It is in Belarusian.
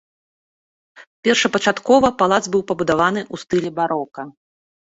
Першапачаткова палац быў пабудаваны ў стылі барока.